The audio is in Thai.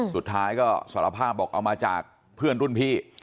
สุดท้ายก็สารภาพบอกเอามาจากเพื่อนรุ่นพี่